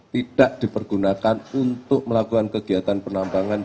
tidak dipergunakan untuk melakukan kegiatan penambangan